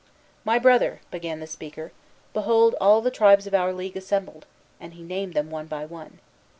"My Brother," began the speaker, "behold all the tribes of our league assembled!" and he named them one by one.